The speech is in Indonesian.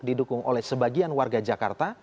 didukung oleh sebagian warga jakarta